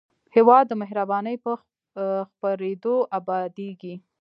هېواد د مهربانۍ په خپرېدو ابادېږي.